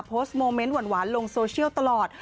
โมเมนต์หวานลงโซเชียลตลอด